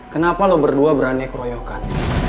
kenapa loh berdua berani keroyokan